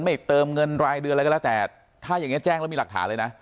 เติมเงินรายเดือนอะไรก็แล้วแต่ถ้าอย่างนี้แจ้งแล้วมีหลักฐานเลยนะ